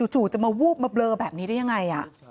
จู่จะมาวูบมาเบลอแบบนี้ได้ยังไง